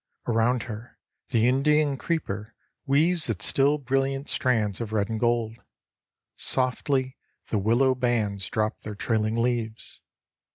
Around her the Indian creeper weaves its still brilliant strands of red and gold. Softly the willow bands drop their trailing leaves.